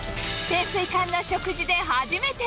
潜水艦の食事で初めて、